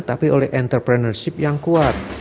tapi oleh entrepreneurship yang kuat